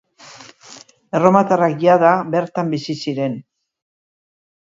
Erromatarrak jada bertan bizi ziren.